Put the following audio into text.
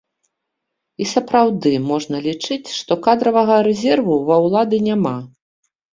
І сапраўды можна лічыць, што кадравага рэзерву ва ўлады няма.